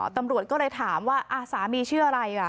ตำรวจก็เลยถามว่าสามีชื่ออะไร